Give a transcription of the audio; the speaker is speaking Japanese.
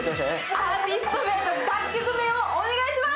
アーティスト名と楽曲名をお願いします！